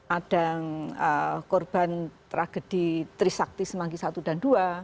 ada korban tragedi trisakti semanggi satu dan dua